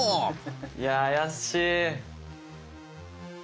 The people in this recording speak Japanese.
いや怪しい。